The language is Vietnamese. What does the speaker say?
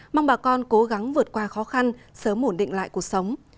mong bà con cố gắng vượt qua khó khăn sớm ổn định lại cuộc sống